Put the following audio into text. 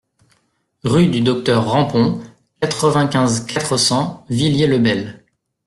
Rue du Docteur Rampont, quatre-vingt-quinze, quatre cents Villiers-le-Bel